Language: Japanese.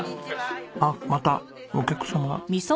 あっまたお客様が。